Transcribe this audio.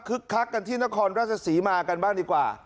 คักกันที่นครราชศรีมากันบ้างดีกว่า